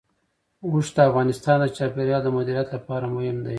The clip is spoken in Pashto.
اوښ د افغانستان د چاپیریال د مدیریت لپاره مهم دي.